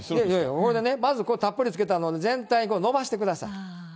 それでね、まずたっぷりつけたのを、全体に伸ばしてください。